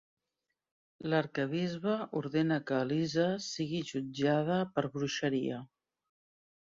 L'arquebisbe ordena que Elisa sigui jutjada per bruixeria.